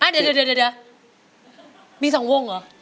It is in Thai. เดี๋ยวมี๒วงเหรอ